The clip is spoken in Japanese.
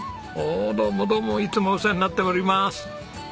どうもどうもいつもお世話になっております。